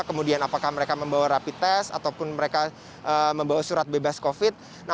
kemudian apakah mereka membawa rapi tes ataupun mereka membawa surat bebas covid